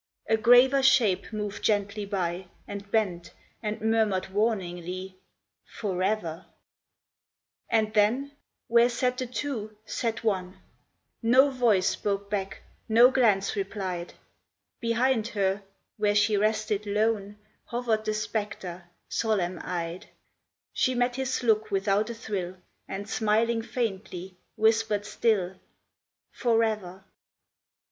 A graver shape moved gently by, And bent, and murmured warningly, "Forever !" And then where sat the two, sat one ! No voice spoke back, no glance replied. Behind her, where she rested lone, Hovered the spectre, solemn eyed ; She met his look without a thrill, And, smiling faintly, whispered still, " Forever